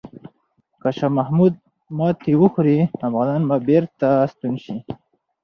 که شاه محمود ماتې وخوري، افغانان به بیرته ستون شي.